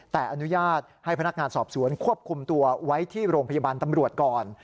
แต่อนุญาตให้พนักงานสอบสวนควบคุมตัวไว้ที่โรงพยาบาลตำรวจก่อน